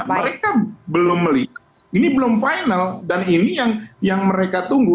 mereka belum melihat ini belum final dan ini yang mereka tunggu